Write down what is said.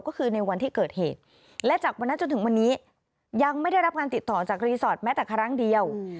ก็คือในวันที่เกิดเหตุและจากวันนั้นจนถึงวันนี้ยังไม่ได้รับการติดต่อจากรีสอร์ทแม้แต่ครั้งเดียว